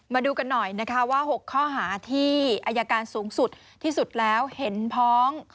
มาดูกันหน่อยนะคะว่า๖ข้อหาที่อายการสูงสุดที่สุดแล้วเห็นพ้อง